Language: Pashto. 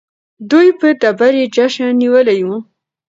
دوی به د بري جشن نیولی وي.